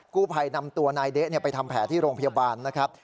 กู้ภัยนำตัวนายเด๊ะไปทำแผลที่โรงพยาบาลนะครับ